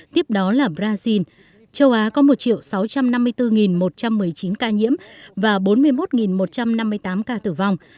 tiếp đó là brazil châu á có một sáu trăm năm mươi bốn một trăm một mươi chín ca nhiễm và bốn mươi một một trăm năm mươi tám ca tử vong